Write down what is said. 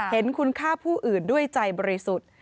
เห็นคุณค่าผู้อื่นด้วยใจบริสุทธิ์